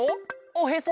おへそ？